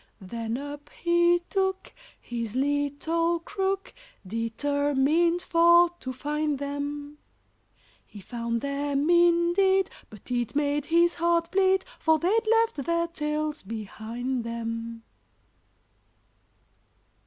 Then up he took his little crook, Determined for to find them; He found them indeed, but it made his heart bleed, For they'd left their tails behind them.